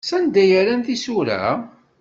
Sanda ay rran tisura?